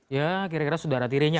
ya kira kira sedara tirinya